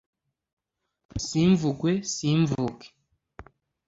Simvugwe simvuke?